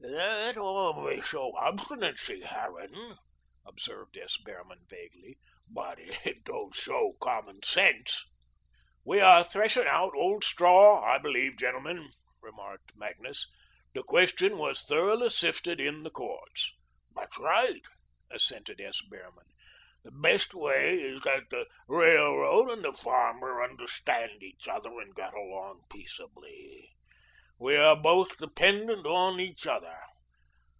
"That all may show obstinacy, Harran," observed S. Behrman vaguely, "but it don't show common sense." "We are threshing out old straw, I believe, gentlemen," remarked Magnus. "The question was thoroughly sifted in the courts." "Quite right," assented S. Behrman. "The best way is that the railroad and the farmer understand each other and get along peaceably. We are both dependent on each other.